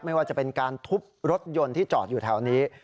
ไม่ว่าจะเป็นการทุบรถยนต์ที่จอดอยู่แถวนี้